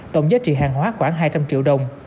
tổng giá trị hàng hóa khoảng hai trăm linh triệu đồng